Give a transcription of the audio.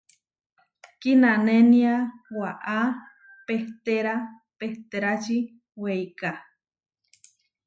Kinanénia waʼá pehterá pehtérači weiká.